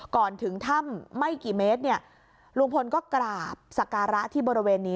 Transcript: ก่อนถึงถ้ำไม่กี่เมตรเนี่ยลุงพลก็กราบสการะที่บริเวณนี้